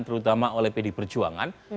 terutama oleh pd perjuangan